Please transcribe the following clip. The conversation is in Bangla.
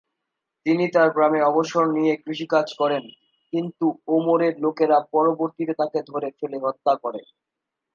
তিনি তার গ্রামে অবসর নিয়ে কৃষিকাজ করেন, কিন্তু ওমরের লোকেরা পরবর্তীতে তাকে ধরে ফেলে হত্যা করে।